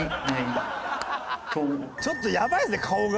ちょっとやばいですね顔が。